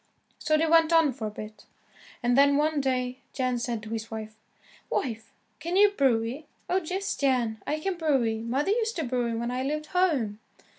So they went on for a bit, and then, one day, Jan said to his wife, "Wife can you brew y?" "Oh, yes, Jan, I can brew y. Mother used to brew y when I lived home."